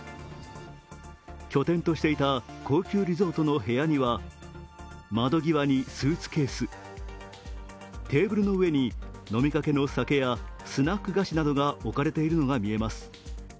拠点としていた高級リゾートの部屋には、窓ぎわにスーツケース、テーブルの上に飲みかけの酒やスナック菓子などが置かれているのが見えます。